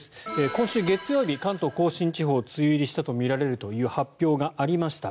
今週月曜日、関東・甲信地方梅雨入りしたとみられるという発表がありました。